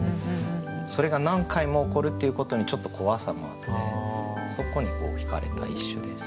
それが何回も起こるっていうことにちょっと怖さもあってそこにひかれた一首です。